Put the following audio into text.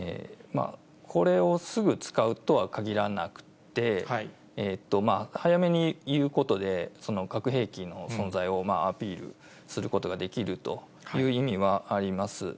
これをすぐ使うとはかぎらなくて、早めに言うことで、核兵器の存在をアピールすることができるという意味はあります。